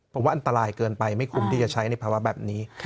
ผมว่าอันตรายเกินไปไม่คุ้มที่จะใช้ในภาวะแบบนี้